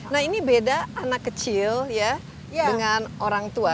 nah ini beda anak kecil ya dengan orang tua